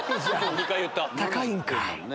高いんか。